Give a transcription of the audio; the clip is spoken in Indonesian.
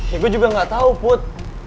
ya gue juga gak tau put